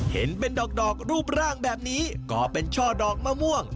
เห็นเป็นดอกรูปร่างแบบนี้ก็เป็นช่อดอกมะม่วง